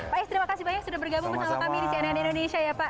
pak is terima kasih banyak sudah bergabung bersama kami di cnn indonesia ya pak